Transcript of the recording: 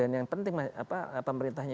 dan yang penting pemerintahnya